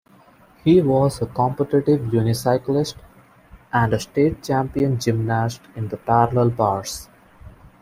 He was a competitive unicyclist, and a state champion gymnast in the parallel bars.